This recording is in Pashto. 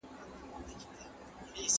تحفې ورکول خالص نفلي عمل دی.